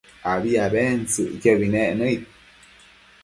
abi abentsëcquiobi nec nëid